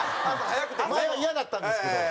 前はイヤだったんですけど。